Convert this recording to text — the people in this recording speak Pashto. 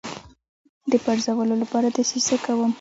د پرزولو لپاره دسیسه کوم.